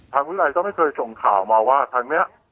ทางเวลาให้ก็ไม่เคยส่งข่าวมาว่าทางเนี้ย